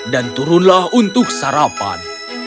dan turunlah untuk sarapan